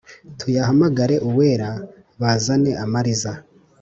Tuyahamagare Uwera, bazane amariza